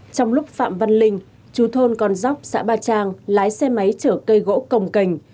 trong lúc phạm văn linh chú thôn con dốc xã ba trang lái xe máy chở cây gỗ cồng cành